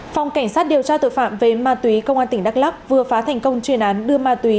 phòng cảnh sát điều tra tội phạm về ma túy công an tỉnh đắk lắc vừa phá thành công chuyên án đưa ma túy